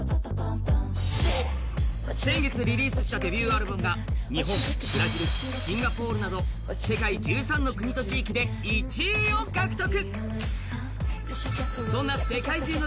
先月リリースしたデビューアルバムが日本、ブラジル、シンガポールなど世界１３の国と地域で１位を獲得。